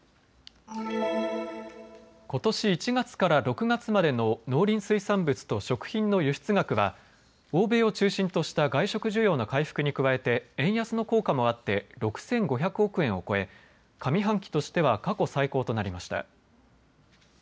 ことし１月から６月までの農林水産物と食品の輸出額は欧米を中心とした外食需要の回復に加えて円安の効果もあって６５００億円を超え上半期としては過去最高となりました。